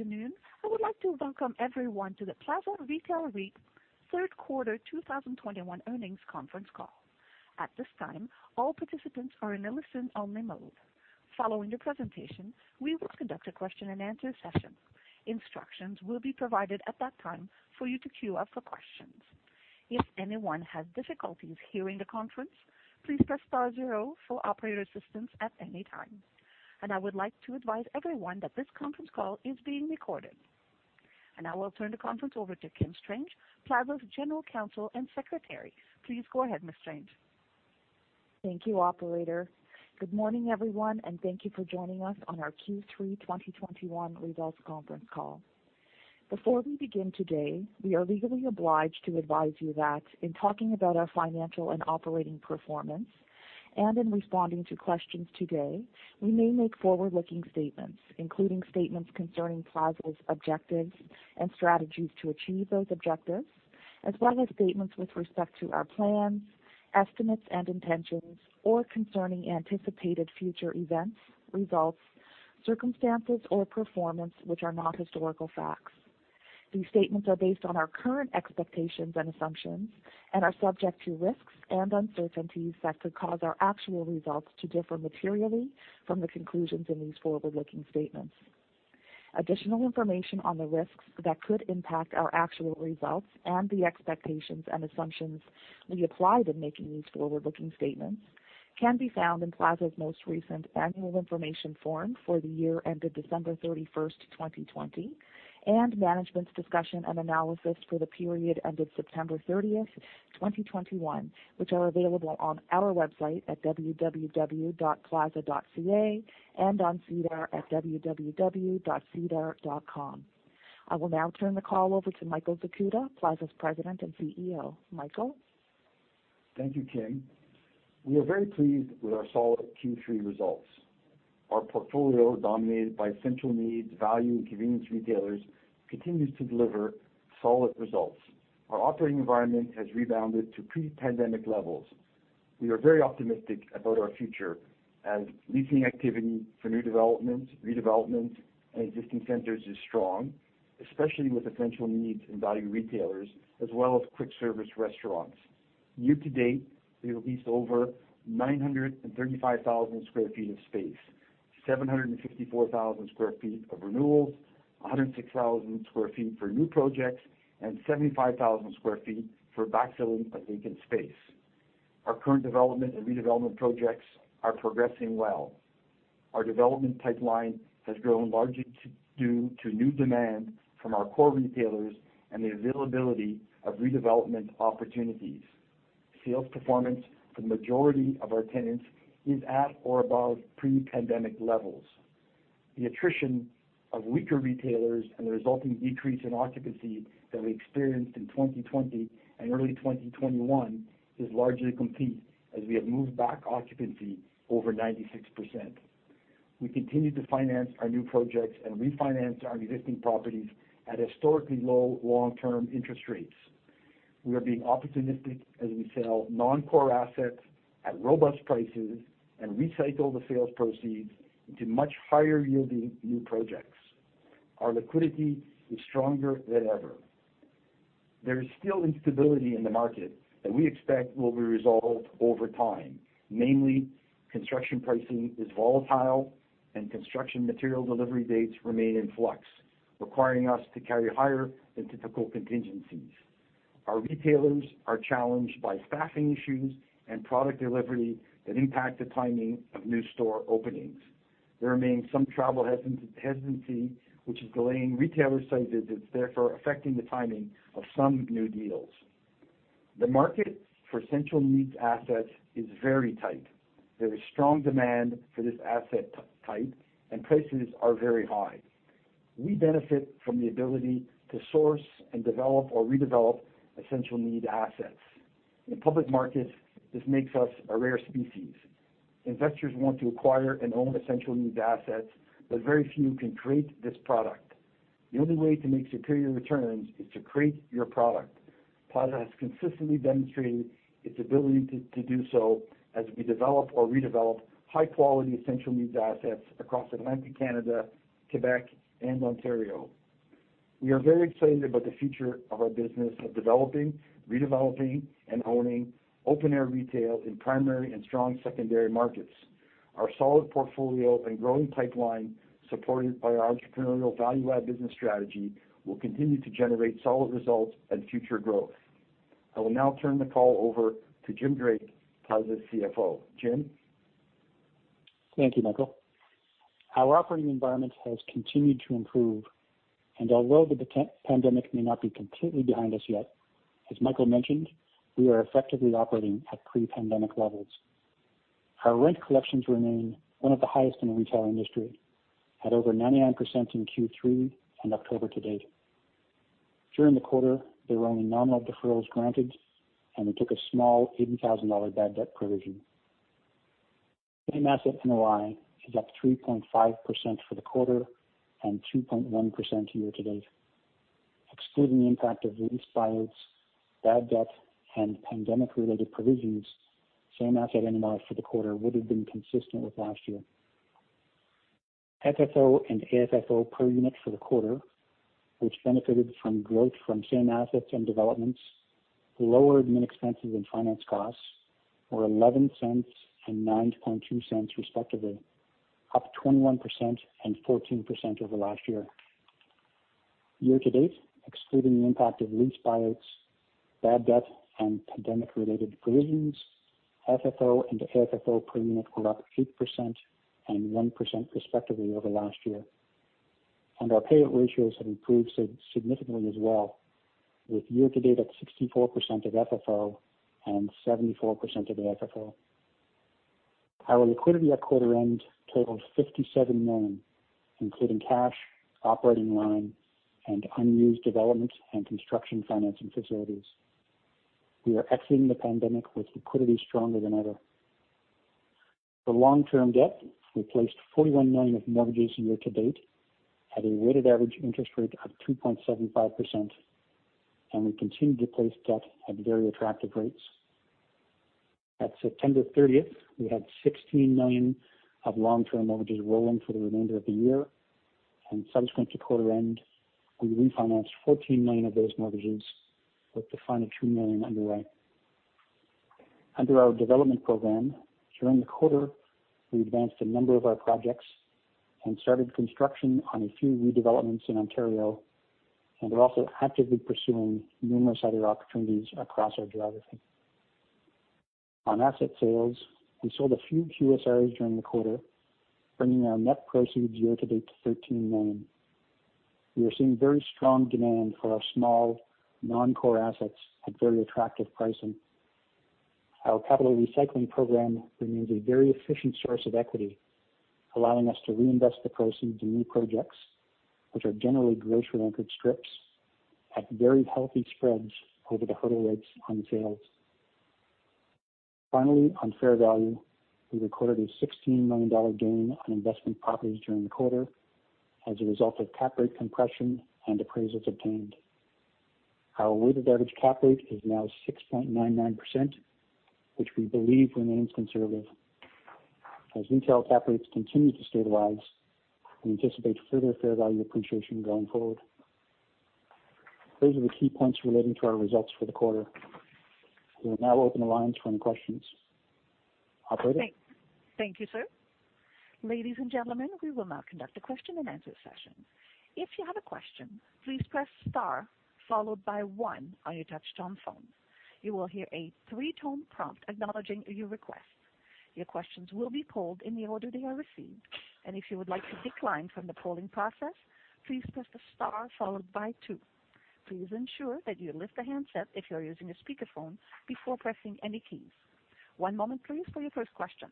Good afternoon. I would like to welcome everyone to the Plaza Retail REIT third quarter 2021 earnings conference call. At this time, all participants are in a listen-only mode. Following the presentation, we will conduct a question-and-answer session. Instructions will be provided at that time for you to queue up for questions. If anyone has difficulties hearing the conference, please press star zero for operator assistance at any time. I would like to advise everyone that this conference call is being recorded. Now I will turn the conference over to Kim Strange, Plaza's General Counsel and Secretary. Please go ahead, Ms. Strange. Thank you, operator. Good morning, everyone, and thank you for joining us on our Q3 2021 results conference call. Before we begin today, we are legally obliged to advise you that in talking about our financial and operating performance and in responding to questions today, we may make forward-looking statements, including statements concerning Plaza's objectives and strategies to achieve those objectives, as well as statements with respect to our plans, estimates, and intentions, or concerning anticipated future events, results, circumstances, or performance, which are not historical facts. These statements are based on our current expectations and assumptions and are subject to risks and uncertainties that could cause our actual results to differ materially from the conclusions in these forward-looking statements. Additional information on the risks that could impact our actual results and the expectations and assumptions we apply to making these forward-looking statements can be found in Plaza's most recent Annual Information Form for the year ended December 31, 2020, and Management's Discussion and Analysis for the period ended September 30, 2021, which are available on our website at www.plaza.ca and on SEDAR at www.sedar.com. I will now turn the call over to Michael Zakuta, Plaza's President and CEO. Michael? Thank you, Kim. We are very pleased with our solid Q3 results. Our portfolio, dominated by essential needs, value, and convenience retailers, continues to deliver solid results. Our operating environment has rebounded to pre-pandemic levels. We are very optimistic about our future as leasing activity for new developments, redevelopments, and existing centers is strong, especially with essential needs and value retailers, as well as quick-service restaurants. Year-to-date, we have leased over 935,000 sq ft of space, 754,000 sq ft of renewals, 106,000 sq ft for new projects, and 75,000 sq ft for backfilling of vacant space. Our current development and redevelopment projects are progressing well. Our development pipeline has grown largely due to new demand from our core retailers and the availability of redevelopment opportunities. Sales performance for the majority of our tenants is at or above pre-pandemic levels. The attrition of weaker retailers and the resulting decrease in occupancy that we experienced in 2020 and early 2021 is largely complete as we have moved back occupancy over 96%. We continue to finance our new projects and refinance our existing properties at historically low long-term interest rates. We are being opportunistic as we sell non-core assets at robust prices and recycle the sales proceeds into much higher yielding new projects. Our liquidity is stronger than ever. There is still instability in the market that we expect will be resolved over time. Mainly, construction pricing is volatile and construction material delivery dates remain in flux, requiring us to carry higher than typical contingencies. Our retailers are challenged by staffing issues and product delivery that impact the timing of new store openings. There remains some travel hesitancy, which is delaying retailer site visits, therefore affecting the timing of some new deals. The market for essential needs assets is very tight. There is strong demand for this asset type, and prices are very high. We benefit from the ability to source and develop or redevelop essential need assets. In public markets, this makes us a rare species. Investors want to acquire and own essential needs assets, but very few can create this product. The only way to make superior returns is to create your product. Plaza has consistently demonstrated its ability to do so as we develop or redevelop high quality essential needs assets across Atlantic Canada, Quebec and Ontario. We are very excited about the future of our business of developing, redeveloping, and owning open air retail in primary and strong secondary markets. Our solid portfolio and growing pipeline, supported by our entrepreneurial value add business strategy, will continue to generate solid results and future growth. I will now turn the call over to Jim Drake, Plaza's CFO. Jim? Thank you, Michael. Our operating environment has continued to improve, and although the pandemic may not be completely behind us yet, as Michael mentioned, we are effectively operating at pre-pandemic levels. Our rent collections remain one of the highest in the retail industry, at over 99% in Q3 and October to date. During the quarter, there were only nominal deferrals granted, and we took a small 80,000 dollar bad debt provision. Same asset NOI is up 3.5% for the quarter and 2.1% year to date. Excluding the impact of lease buyouts, bad debt, and pandemic-related provisions, same asset NOI for the quarter would have been consistent with last year. FFO and AFFO per unit for the quarter, which benefited from growth from same assets and developments, lower admin expenses and finance costs were 0.11 and 0.92 respectively, up 21% and 14% over last year. Year-to-date, excluding the impact of lease buyouts, bad debt, and pandemic-related provisions, FFO and AFFO per unit were up 8% and 1% respectively over last year. Our payout ratios have improved significantly as well with year-to-date at 64% of FFO and 74% of the AFFO. Our liquidity at quarter end totaled 57 million, including cash, operating line, and unused development and construction financing facilities. We are exiting the pandemic with liquidity stronger than ever. For long-term debt, we placed 41 million of mortgages year to date at a weighted average interest rate of 2.75%, and we continue to place debt at very attractive rates. At September 30, we had 16 million of long-term mortgages rolling for the remainder of the year. Subsequent to quarter end, we refinanced 14 million of those mortgages with the final 2 million underway. Under our development program, during the quarter, we advanced a number of our projects and started construction on a few redevelopments in Ontario, and we're also actively pursuing numerous other opportunities across our geography. On asset sales, we sold a few QSRs during the quarter, bringing our net proceeds year to date to 13 million. We are seeing very strong demand for our small non-core assets at very attractive pricing. Our Capital Recycling Program remains a very efficient source of equity, allowing us to reinvest the proceeds in new projects, which are generally grocery-anchored strips at very healthy spreads over the hurdle rates on sales. Finally, on fair value, we recorded a 16 million dollar gain on investment properties during the quarter as a result of cap rate compression and appraisals obtained. Our weighted average cap rate is now 6.99%, which we believe remains conservative. As retail cap rates continue to stabilize, we anticipate further fair value appreciation going forward. Those are the key points relating to our results for the quarter. We will now open the lines for any questions. Operator? Thank you, sir. Ladies and gentlemen, we will now conduct a question-and-answer session. If you have a question, please press star followed by one on your touchtone phone. You will hear a three-tone prompt acknowledging your request. Your questions will be pulled in the order they are received. If you would like to decline from the polling process, please press the star followed by two. Please ensure that you lift the handset if you are using a speakerphone before pressing any keys. One moment please for your first question.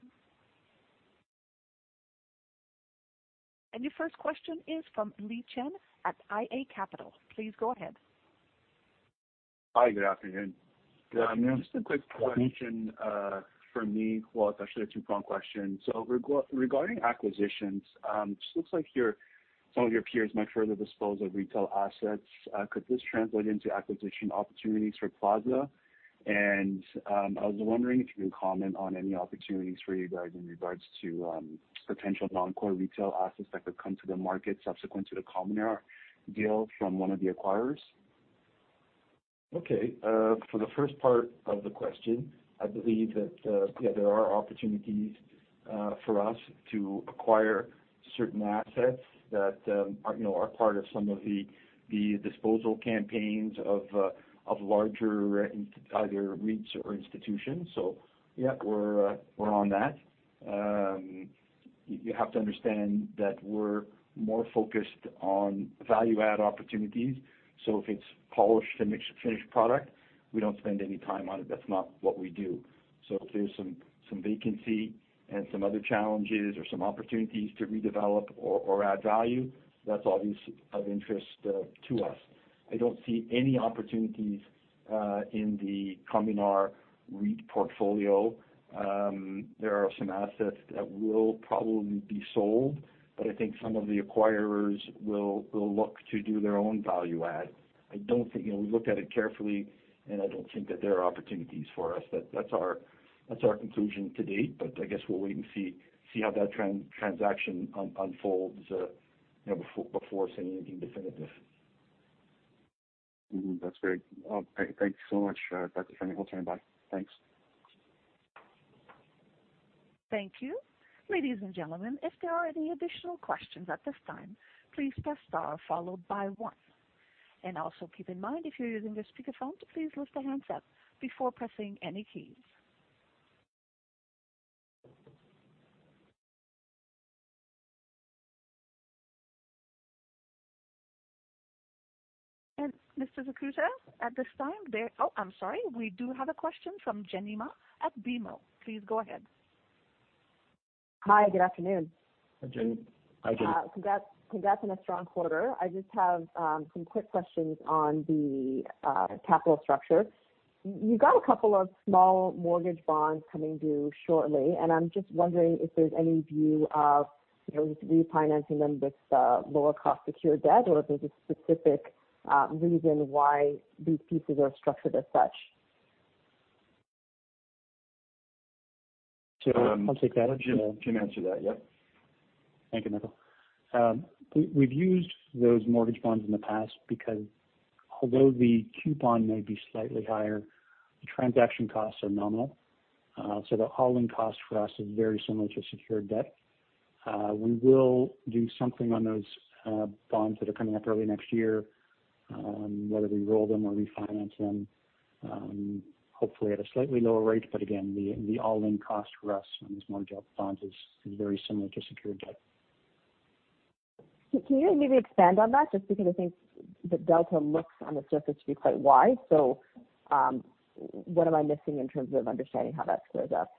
Your first question is from Lorne Kalmar at IA Capital Markets. Please go ahead. Hi. Good afternoon. Good afternoon. Just a quick question for me. Well, it's actually a two-pronged question. Regarding acquisitions, just looks like some of your peers might further dispose of retail assets. Could this translate into acquisition opportunities for Plaza? I was wondering if you can comment on any opportunities for you guys in regards to potential non-core retail assets that could come to the market subsequent to the Cominar deal from one of the acquirers. Okay. For the first part of the question, I believe that, yeah, there are opportunities for us to acquire certain assets that, you know, are part of some of the disposal campaigns of larger either REITs or institutions. Yeah, we're on that. You have to understand that we're more focused on value add opportunities. If it's polished and mixed finished product, we don't spend any time on it. That's not what we do. If there's some vacancy and some other challenges or some opportunities to redevelop or add value, that's obviously of interest to us. I don't see any opportunities in the Cominar REIT portfolio. There are some assets that will probably be sold, but I think some of the acquirers will look to do their own value add. I don't think, you know, we look at it carefully, and I don't think that there are opportunities for us. That's our conclusion to date. I guess we'll wait and see how that transaction unfolds, you know, before saying anything definitive. Mm-hmm. That's great. Thank you so much. That's it for me. I'll turn it back. Thanks. Thank you. Ladies and gentlemen, if there are any additional questions at this time, please press star followed by one. Also keep in mind if you're using a speakerphone to please lift the handset before pressing any keys. Mr. Zakuta, at this time. Oh, I'm sorry. We do have a question from Jenny Ma at BMO. Please go ahead. Hi. Good afternoon. Hi, Jenny. Hi, Jenny. Congrats on a strong quarter. I just have some quick questions on the capital structure. You got a couple of small mortgage bonds coming due shortly, and I'm just wondering if there's any view of, you know, refinancing them with lower cost secured debt or if there's a specific reason why these pieces are structured as such. I'll take that. Jim, answer that, yep. Thank you, Michael. We've used those mortgage bonds in the past because although the coupon may be slightly higher, the transaction costs are nominal. The all-in cost for us is very similar to secured debt. We will do something on those bonds that are coming up early next year, whether we roll them or refinance them, hopefully at a slightly lower rate. Again, the all-in cost for us on these mortgage bonds is very similar to secured debt. Can you maybe expand on that just because I think the delta looks on the surface to be quite wide. What am I missing in terms of understanding how that squares up?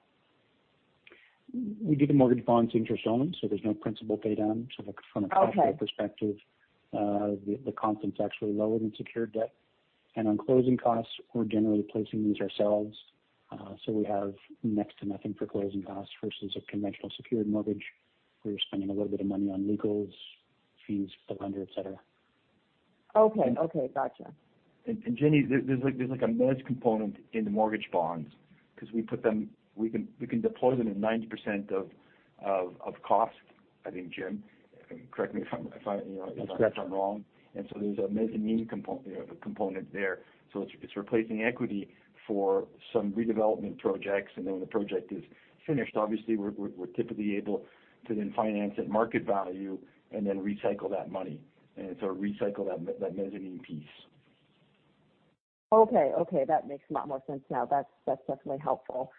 We do the mortgage bonds interest only, so there's no principal pay down. Like from a cost perspective- Okay. The cost is actually lower than secured debt. On closing costs, we're generally placing these ourselves, so we have next to nothing for closing costs versus a conventional secured mortgage. We're spending a little bit of money on legals, fees for the lender, et cetera. Okay, okay. Gotcha. Jenny, there's like a mezz component in the mortgage bonds because we can deploy them at 90% of cost. I think, Jim, correct me, you know, if I'm wrong. That's correct. There's a mezzanine component there. It's replacing equity for some redevelopment projects. When the project is finished obviously we're typically able to then finance at market value and then recycle that money. Recycle that mezzanine piece. Okay, that makes a lot more sense now. That's definitely helpful.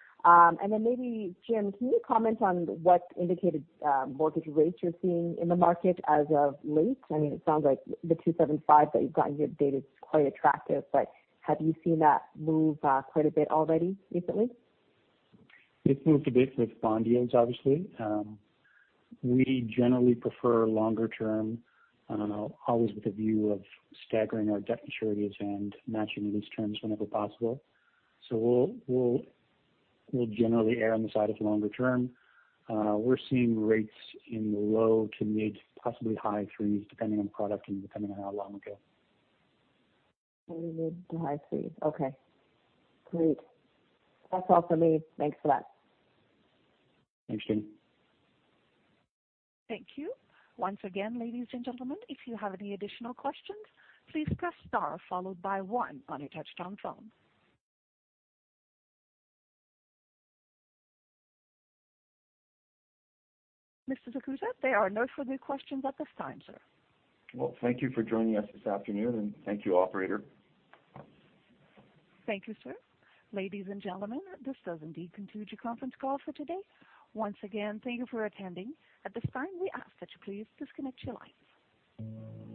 Maybe Jim, can you comment on what indicative mortgage rates you're seeing in the market as of late? I mean, it sounds like the 2.75% that you've gotten year to date is quite attractive, but have you seen that move quite a bit already recently? It's moved a bit with bond yields obviously. We generally prefer longer term, I don't know, always with a view of staggering our debt maturities and matching these terms whenever possible. We'll generally err on the side of longer term. We're seeing rates in the low- to mid-, possibly high 3s, depending on product and depending on how long ago. Low-mid to high 3s. Okay, great. That's all for me. Thanks a lot. Thanks, Jenny. Thank you. Once again, ladies and gentlemen, if you have any additional questions, please press star followed by one on your touchtone phone. Mr. Zakuta, there are no further questions at this time, sir. Well, thank you for joining us this afternoon, and thank you, operator. Thank you, sir. Ladies and gentlemen, this does indeed conclude your conference call for today. Once again, thank you for attending. At this time, we ask that you please disconnect your line.